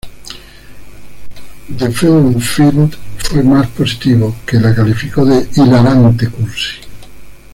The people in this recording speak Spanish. The Film Fiend fue más positivo, que la calificó de "hilarante cursi".